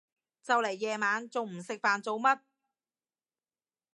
就嚟夜晚，仲唔食飯做乜？